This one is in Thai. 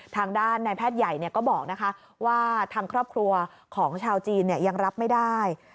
ทางด้านนายแพทย์ใหญ่ก็บอกว่าทางครอบครัวของชาวจีนยังรับไม่ได้